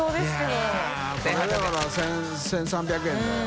海だから１３００円だよ。